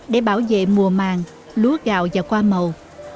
để bảo vệ mùa màng lúa gạo và hoa màu